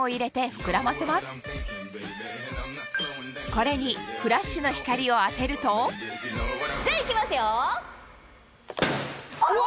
これにフラッシュの光を当てるとじゃあいきますよ！